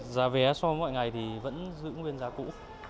giá vé so với mọi ngày thì vẫn giữ nguyên giá cũ